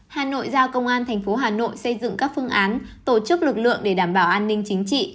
hà nội giao công an thành phố hà nội xây dựng các phương án tổ chức lực lượng để đảm bảo an ninh chính trị